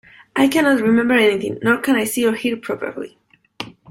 I cannot remember anything, nor can I see or hear properly.